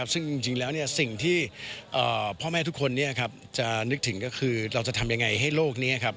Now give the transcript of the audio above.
ซึ่งจริงแล้วสิ่งที่พ่อแม่ทุกคนจะนึกถึงก็คือเราจะทำยังไงให้โลกนี้ครับ